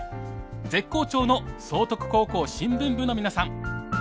絶好調の崇徳高校新聞部の皆さん。